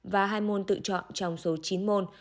và hai môn tự chọn trong số chín môn